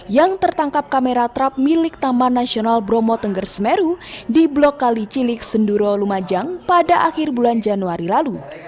yang tertangkap kamera trap milik taman nasional bromo tengger semeru di blok kali cilik senduro lumajang pada akhir bulan januari lalu